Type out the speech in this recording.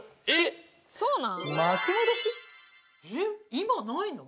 今、ないの？